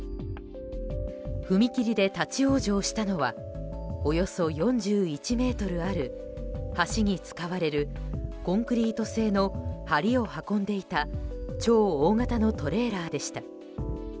踏切で立ち往生したのはおよそ４１ｍある橋に使われるコンクリート製の梁を運んでいた超大型のトレーラーでした。